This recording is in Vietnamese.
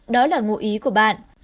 đó là ngụ ý của bạn